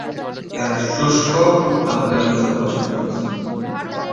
এরা শুষ্ক, হালকা জঙ্গল পছন্দ করে।